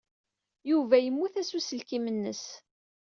Yuba yemmut-as uselkim-nnes.